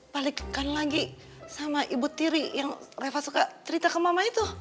balikkan lagi sama ibu tiri yang reva suka cerita ke mama itu